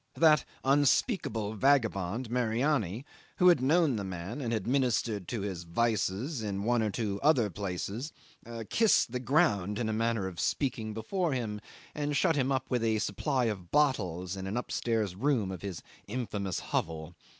That unspeakable vagabond, Mariani, who had known the man and had ministered to his vices in one or two other places, kissed the ground, in a manner of speaking, before him, and shut him up with a supply of bottles in an upstairs room of his infamous hovel.